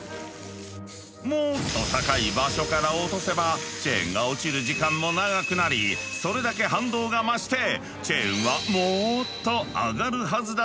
もっと高い場所から落とせばチェーンが落ちる時間も長くなりそれだけ反動が増してチェーンはもっと上がるはずだという。